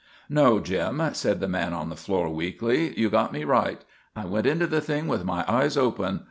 "No, Jim," said the man on the floor, weakly. "You got me right. I went into the thing with my eyes open.